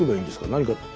何か。